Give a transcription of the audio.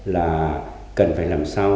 là cần phải làm sao